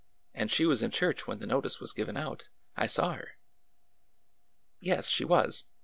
And she was in church when the notice was given out. I saw her." " Yes, she was.